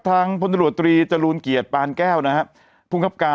ทางพรหลัวตรีจรูนเกลียดปานแก้วนะฮะภูมิคลับการกองคับการ